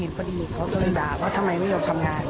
ฝรั่งเขาเดินออกมาเห็นพอดีเขาก็เลยด่าว่าทำไมไม่หยกทำงาน